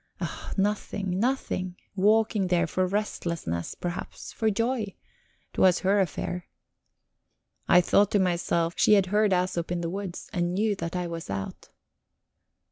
Ah, nothing, nothing. Walking there for restlessness, perhaps, for joy; 'twas her affair. I thought to myself, she had heard Æsop in the woods, and knew that I was out.